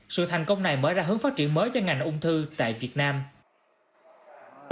sự thành công này mở ra hướng phát triển mới cho ngành ung thư tại việt nam